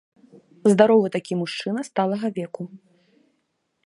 Здаровы такі мужчына сталага веку.